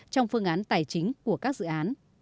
trong phương án tài chính của các dự án